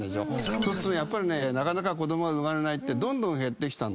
そうするとやっぱりなかなか子供が生まれないってどんどん減ってきたんだよね。